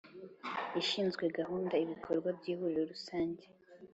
ishinzwe gahunda ibikorwa by Ihuriro rusanjye